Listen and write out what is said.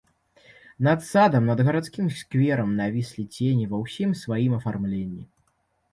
Над садам, над гарадскім скверам навіслі цені ва ўсім сваім афармленні.